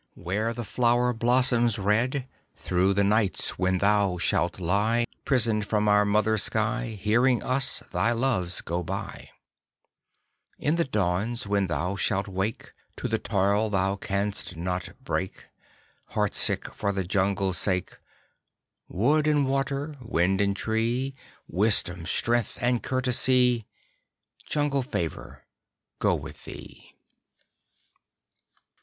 Where the Flower blossoms red; Through the nights when thou shalt lie Prisoned from our Mother sky, Hearing us, thy loves, go by; In the dawns, when thou shalt wake To the toil thou canst not break, Heartsick for the Jungle's sake: Wood and Water, Wind and Tree, Wisdom, Strength, and Courtesy, Jungle Favor go with thee!